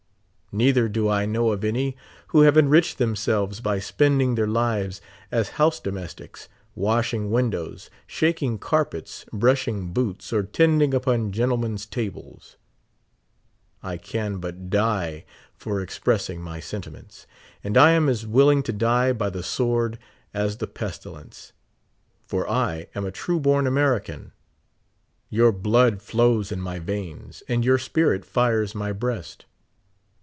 Neither do I know of any who have enriched themselves by spending their lives as house domestics, washing windows, shaking carpets, brushing boots, or tending upon gentlemen's tables. I can but die for expressing my sentiments ; and I am as willing to die by the sword as the pestilence ; for I am a true born American ; your blood flows in my veins, and your spirit fires my breast.